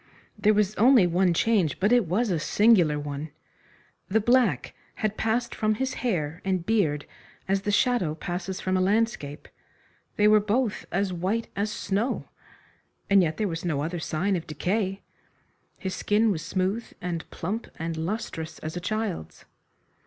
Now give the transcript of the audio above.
There was only one change, but it was a singular one. The black had passed from his hair and beard as the shadow passes from a landscape. They were both as white as snow. And yet there was no other sign of decay. His skin was smooth and plump and lustrous as a child's.